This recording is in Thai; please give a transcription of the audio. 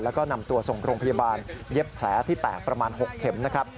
แล้วก็นำตัวส่งโรงพยาบาลเย็บแผลที่แตกประมาณ๖เข็มนะครับ